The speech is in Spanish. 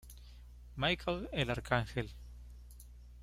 Michael el Arcángel".